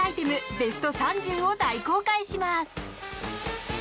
ベスト３０を大公開します。